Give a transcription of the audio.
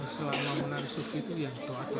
selama menari sufi itu yang terpacit